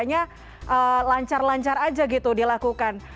hanya lancar lancar saja gitu dilakukan